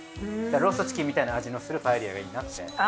ローストチキンみたいな味のするパエリアがいいなって。